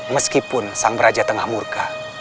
meskipun sang beraja tengah murid